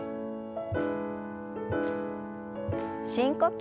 深呼吸。